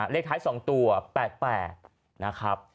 เลขท้าย๒ตัว๘๘นะครับ